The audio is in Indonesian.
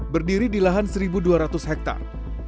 berdiri di lahan satu dua ratus hektare